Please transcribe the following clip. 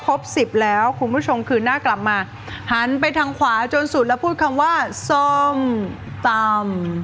ครบสิบแล้วคุณผู้ชมคืนหน้ากลับมาหันไปทางขวาจนสุดแล้วพูดคำว่าส้มตำ